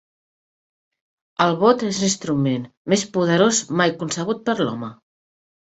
El vot és l'instrument més poderós mai concebut per l'home.